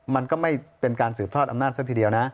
มันก็ไม่เป็นการสืบทอดอำนาจซะทีเดียวนะ